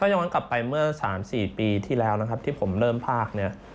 ถ้าอย่างนั้นกลับไปเมื่อ๓๔ปีที่แล้วนะครับที่ผมเริ่มภาค